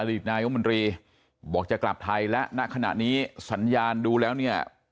ตนายมนตรีบอกจะกลับไทยและณขณะนี้สัญญาณดูแล้วเนี่ย